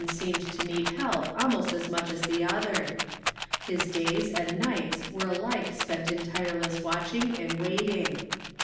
347 seemed to need help almost as much as the other. His days and nights were alike spent in tireless watching and waiting.